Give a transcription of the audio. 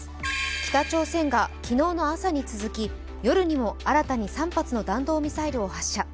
北朝鮮が昨日の朝に続き夜にも新たに３発の弾道ミサイルを発射。